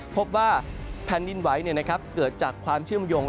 พบว่าแผ่นดินไหวเกิดจากความเชื่อมโยง